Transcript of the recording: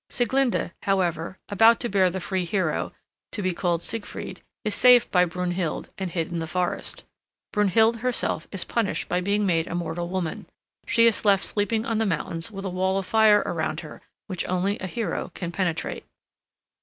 Sieglinda, however, about to bear the free hero, to be called Siegfried, is saved by Brunhild, and hid in the forest. Brunhild herself is punished by being made a mortal woman. She is left sleeping on the mountains with a wall of fire around her which only a hero can penetrate.